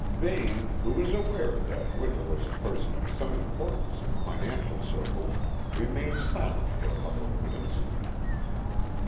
Vane, who was aware that Winter was a person of some importance in financial circles, remained silent for a couple of minutes.